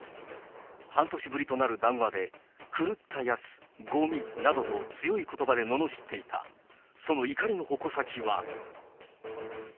半年ぶりとなる談話で、狂ったやつ、ごみなどと強いことばでののしっていた、その怒りの矛先は。